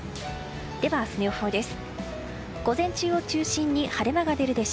では、明日の予報です。